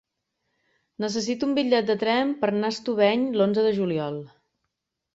Necessito un bitllet de tren per anar a Estubeny l'onze de juliol.